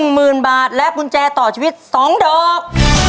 หมื่นบาทและกุญแจต่อชีวิต๒ดอก